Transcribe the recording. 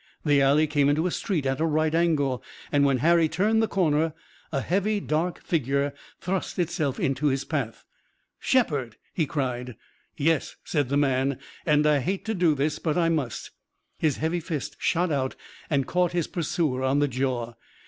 The alley came into the street at a right angle, and, when Harry turned the corner, a heavy, dark figure thrust itself into his path. "Shepard!" he cried. "Yes!" said the man, "and I hate to do this, but I must." His heavy fist shot out and caught his pursuer on the jaw.